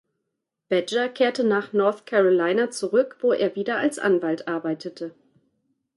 Badger kehrte nach North Carolina zurück, wo er wieder als Anwalt arbeitete.